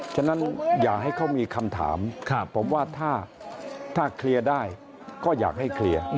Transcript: ฉะนั้นอย่าให้เขามีคำถามผมว่าถ้าเคลียร์ได้ก็อยากให้เคลียร์